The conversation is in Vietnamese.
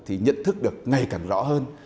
thì nhận thức được ngày càng rõ hơn